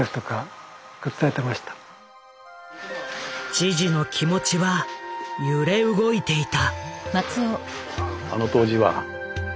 知事の気持ちは揺れ動いていた。